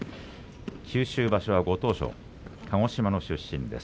九州場所はご当所鹿児島の出身です。